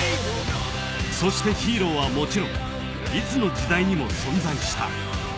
そして、ヒーローはもちろんいつの時代にも存在した。